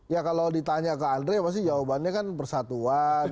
ya kalau ditanya ke andre pasti jawabannya kan persatuan